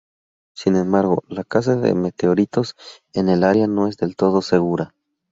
Sin embargo, la caza de meteoritos en el área no es del todo segura.